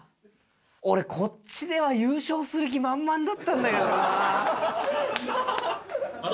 俺、こっちでは優勝する気満々だったんだけどなあ。